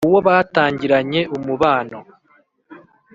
uwo batangiranye umubano